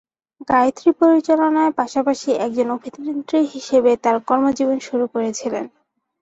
গায়ত্রী পরিচালনার পাশাপাশি একজন অভিনেত্রী হিসেবে তাঁর কর্মজীবন শুরু করেছিলেন।